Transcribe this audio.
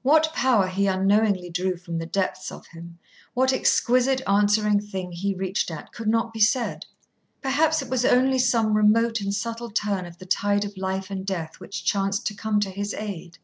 What power he unknowingly drew from the depths of him, what exquisite answering thing he reached at, could not be said. Perhaps it was only some remote and subtle turn of the tide of life and death which chanced to come to his aid.